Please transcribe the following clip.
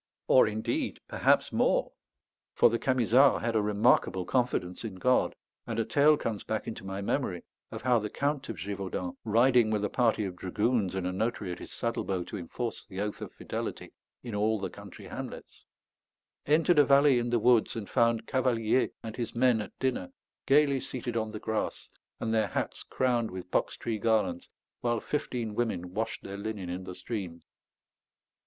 Or indeed, perhaps more; for the Camisards had a remarkable confidence in God; and a tale comes back into my memory of how the Count of Gévaudan, riding with a party of dragoons and a notary at his saddlebow to enforce the oath of fidelity in all the country hamlets, entered a valley in the woods, and found Cavalier and his men at dinner, gaily seated on the grass, and their hats crowned with box tree garlands, while fifteen women washed their linen in the stream.